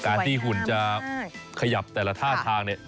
การที่หุ่นจะขยับแต่ละท่าทางเนี่ย